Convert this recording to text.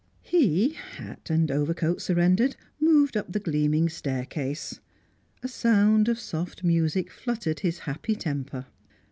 He, hat and overcoat surrendered, moved up the gleaming staircase. A sound of soft music fluttered his happy temper.